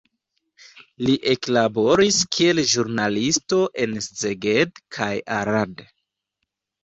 Li eklaboris kiel ĵurnalisto en Szeged kaj Arad.